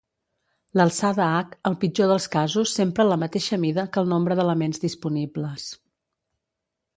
L'alçada h al pitjor dels casos sempre la mateixa mida que el nombre d'elements disponibles.